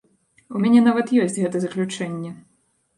У мяне нават ёсць гэта заключэнне.